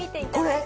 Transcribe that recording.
これ？